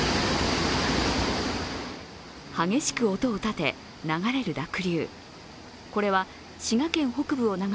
激しく音を立て流れる濁流。